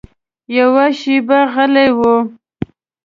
یوه شېبه غلی و.